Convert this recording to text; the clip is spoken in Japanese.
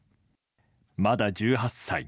まだ１８歳。